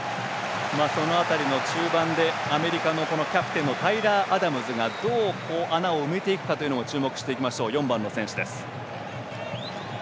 その辺りの中盤でアメリカのキャプテンのタイラー・アダムズがどう穴を埋めていくか注目していきましょう４番の選手です。